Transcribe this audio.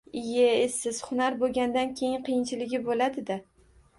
Iye essiz, hunar bo’gandan keyin qiyinchiligi bo’ladida